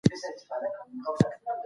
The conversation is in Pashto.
علمي پوهه د تجربو له لارې تاييديږي.